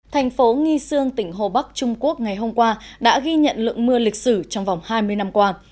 thành phố nghi sương tỉnh hồ bắc trung quốc ngày hôm qua đã ghi nhận lượng mưa lịch sử trong vòng hai mươi năm qua